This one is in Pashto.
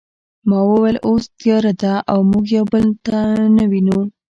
ما وویل اوس تیاره ده او موږ یو بل نه وینو